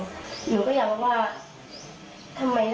แบบหนูเสียใจมากเลยค่ะ